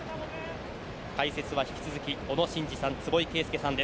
解説は引き続き小野伸二さん